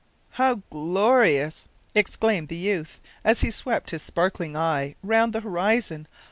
"How glorious!" exclaimed the youth, as he swept his sparkling eye round the horizon.